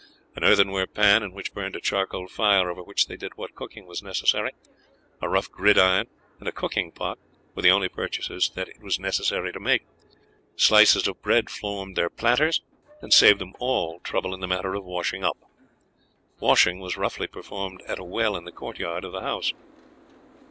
An earthenware pan, in which burned a charcoal fire over which they did what cooking was necessary, a rough gridiron, and a cooking pot were the only purchases that it was necessary to make. Slices of bread formed their platters, and saved them all trouble in the matter of washing up. Washing was roughly performed at a well in the court yard of the house.